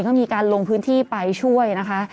ก็มีการลงพื้นที่ไปช่วยนะคะ